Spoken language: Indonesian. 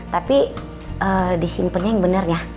tapi disimpennya yang benar ya